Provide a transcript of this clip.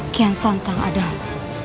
kian santang adalah